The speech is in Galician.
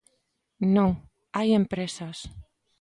Non, hai empresas.